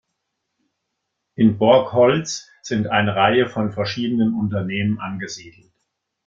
In Borgholz sind eine Reihe von verschiedenen Unternehmen angesiedelt.